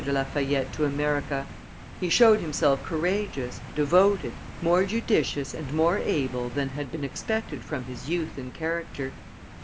de La Fayette to America; he showed himself courageous, devoted, more judicious and more able than had been expected from his youth and character.